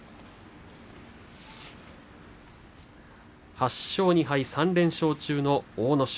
８勝２敗、３連勝中の阿武咲